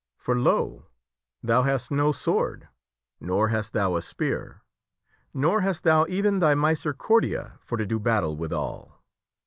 For, lo ! thou hast no sword, nor hast thou a spear, nor hast thou even thy misericordia for to do battle withal.